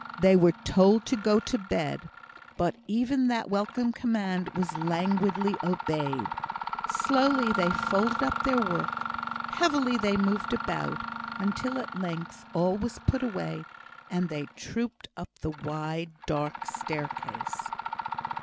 They were told to go to bed; but even that welcome command was languidly obeyed. Slowly they folded up their work, heavily they moved about, until at length all was put away, and they trooped up the wide, dark staircase.